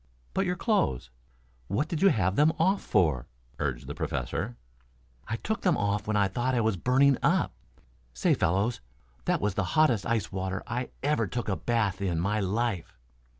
"But your clothes? What did you have them off for?" urged the Professor. "I took them off when I thought I was burning up. Say, fellows, that was the hottest ice water I ever took a bath in my life."